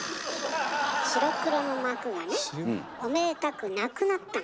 白黒の幕がねおめでたくなくなったの。